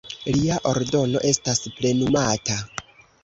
Lia ordono estas plenumata.